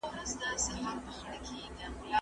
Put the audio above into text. باطل تل په کمزورۍ کي پاته کېږي.